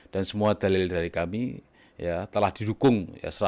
dan semua dalil dari kami telah didukung seratus